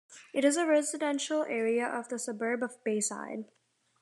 It is a residential area of the suburb of Bayside.